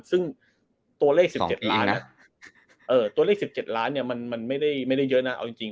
ซึ่งตัวเลข๑๗ล้านเนี่ยมันไม่ได้เยอะนะเอาจริง